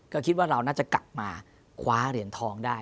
ก็คิดว่าเราน่าจะกลับมาคว้าเหรียญทองได้